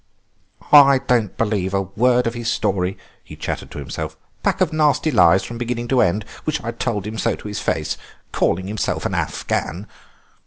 "I don't believe a word of his story," he chattered to himself; "pack of nasty lies from beginning to end. Wish I'd told him so to his face. Calling himself an Afghan!"